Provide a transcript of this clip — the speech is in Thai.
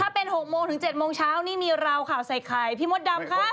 เป็น๖โมงถึง๗โมงเช้านี่มีราวข่าวใส่ไข่พี่มดดำค่ะ